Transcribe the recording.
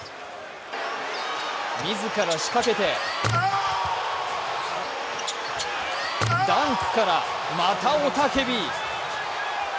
自ら仕掛けて、ダンクから、また雄たけび。